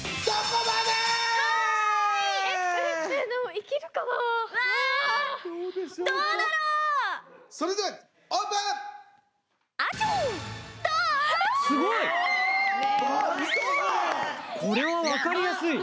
これは分かりやすい。